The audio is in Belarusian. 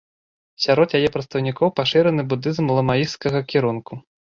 Сярод яе прадстаўнікоў пашыраны будызм ламаісцкага кірунку.